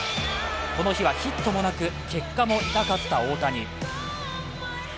この日はヒットもなく、結果も痛かった大谷。